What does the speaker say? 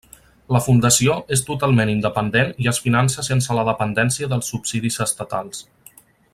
La Fundació és totalment independent i es finança sense la dependència dels subsidis estatals.